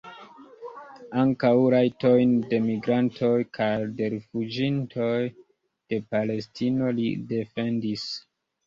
Ankaŭ rajtojn de migrantoj kaj de rifuĝintoj de Palestino li defendis.